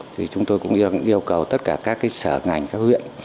thì chúng tôi cũng yêu cầu tất cả các sở ngành các huyện